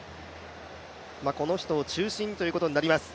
この人を中心ということになります。